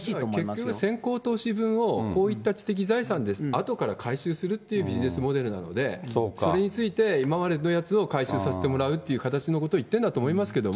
結局、先行投資分をこういった知的財産であとから回収するっていうビジネスモデルなので、それについて、今までのやつを回収させてもらうっていう形のことを言ってるんだと思いますけども。